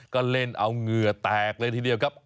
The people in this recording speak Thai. ก็เล่นเอาเหงื่อแตกเลยทีเดียวครับ